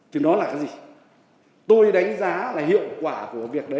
thì đó là cái gì tôi đánh giá là hiệu quả của việc đấy